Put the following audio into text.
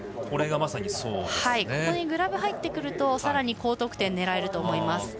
ここにグラブが入ってくるとさらに高得点が狙えると思います。